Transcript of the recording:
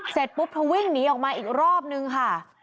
เสร็จปุ๊บเธอวิ่งหนีออกมาอีกรอบนึงค่ะ